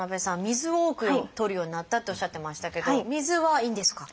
水を多くとるようになったっておっしゃってましたけど水はいいんですか？